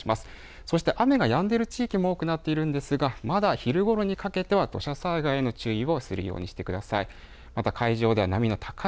そして雨がやんでいる地域も多くなっているんですがまだ昼ごろにかけては土砂災害の注意をするようにしてください。